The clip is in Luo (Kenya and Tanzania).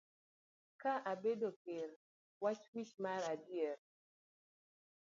Ka abedo ker, wach wich ma adier.